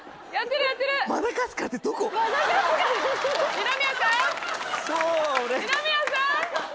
二宮さん